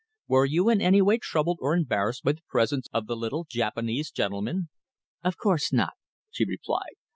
Were you in any way troubled or embarrassed by the presence of the little Japanese gentleman?" "Of course not," she replied.